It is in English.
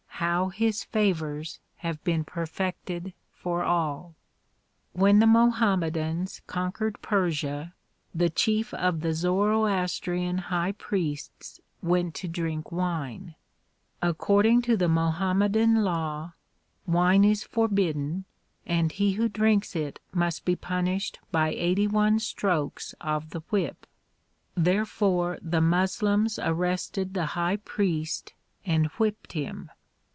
How his favors have been perfected for all! When the IMohammedans conquered Persia, the chief of the Zoroastrian high priests went to drink wine. According to the Mohammedan law wine is forbidden and he who drinks it must be punished by eighty one strokes of the whip. Therefore the jMos lems arrested the high priest and whipped him.